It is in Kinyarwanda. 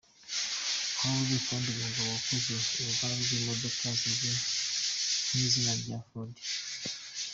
Henry Ford umugabo wakoze uruganda rw’imodoka zizwi kw’izina rye “Ford”.